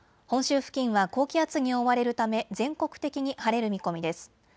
本州付近は高気圧に覆われるため全国的に晴れる見込みです。